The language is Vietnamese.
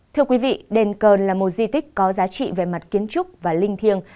thưa quý vị đền cờ là một di tích có giá trị về mặt kiến trúc và linh thiêng